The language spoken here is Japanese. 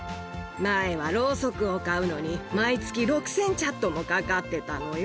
前はろうそくを買うのに、毎月６０００チャットもかかってたのよ。